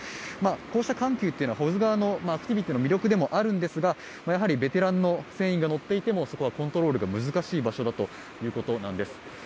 こうした緩急は保津川のアクティビティーの魅力でもあるんですがやはりベテランの船員が乗っていてもそこはコントロールが難しい場所だということなんです。